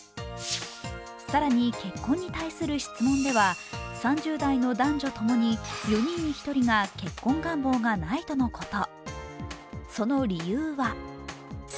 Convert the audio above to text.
更に、結婚に対する質問では、３０代の男女共に４人に１人が結婚願望がないとのこと。